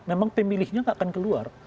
memang pemilihnya nggak akan keluar